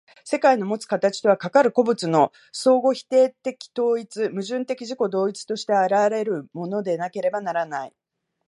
世界のもつ形とは、かかる個物の相互否定的統一、矛盾的自己同一として現れるものでなければならない。